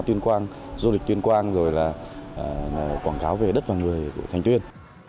tuyên quang du lịch tuyên quang rồi là quảng cáo về đất và người của thành tuyên